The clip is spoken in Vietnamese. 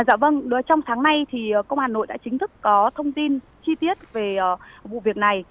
dạ vâng trong tháng nay thì công an hà nội đã chính thức có thông tin chi tiết về vụ việc này